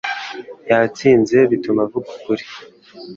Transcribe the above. Yatsinze bituma avuga ukuri